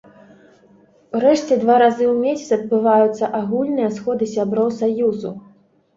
Урэшце, два разы ў месяц адбываюцца агульныя сходы сяброў саюзу.